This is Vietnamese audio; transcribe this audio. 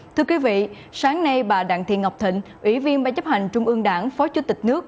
thưa quý vị sáng nay bà đặng thị ngọc thịnh ủy viên ban chấp hành trung ương đảng phó chủ tịch nước